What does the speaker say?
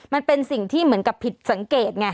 มันเป็นสิ่งที่เหมือนกับผิดสังเกตไง